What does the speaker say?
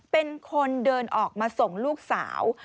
เป็นคนเดินออกมาส่งลูกสาว